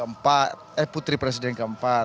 eh putri presiden ke empat